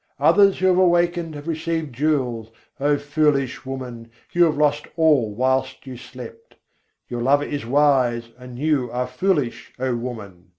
Others, who have wakened, have received jewels; O foolish woman! you have lost all whilst you slept. Your lover is wise, and you are foolish, O woman!